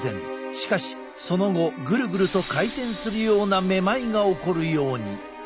しかしその後ぐるぐると回転するようなめまいが起こるように。